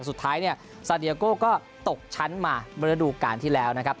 สุดท้ายเนี่ยซาเดียโก้ก็ตกชั้นมาระดูการที่แล้วนะครับ